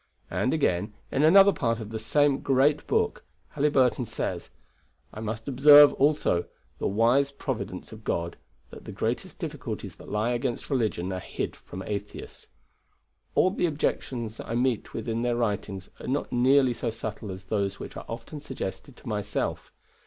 And, again, in another part of the same great book, Halyburton says: "I must observe, also, the wise providence of God, that the greatest difficulties that lie against religion are hid from atheists. All the objections I meet with in their writings are not nearly so subtle as those which are often suggested to myself.